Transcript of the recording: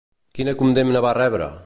Quina condemna va rebre?